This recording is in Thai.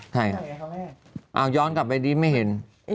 ใครวะย้อนกลับไปนี้ไม่เห็น